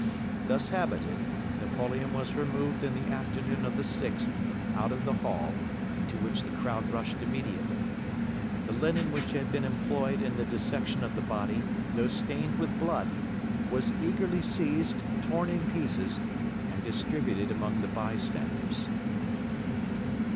Thus habited, Napoleon was removed in the afternoon of the 6th out of the hall, into which the crowd rushed immediately. The linen which had been employed in the dissection of the body, though stained with blood, was eagerly seized, torn in pieces, and distributed among the bystanders.